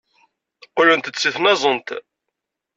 Qqlent-d seg tnazent.